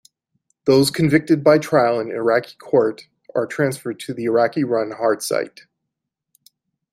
Those convicted by trial in Iraqi court are transferred to the Iraqi-run Hard Site.